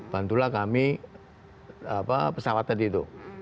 bantulah kami pesawat tadi itu